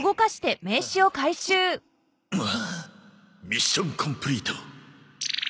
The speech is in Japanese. ミッションコンプリート。